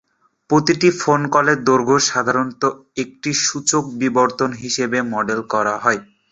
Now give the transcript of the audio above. প্রতিটি ফোন কলের দৈর্ঘ্য সাধারণত একটি সূচক বিতরণ হিসাবে মডেল করা হয়।